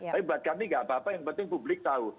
tapi buat kami gak apa apa yang penting publik tahu